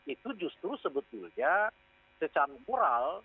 itu justru sebetulnya secara moral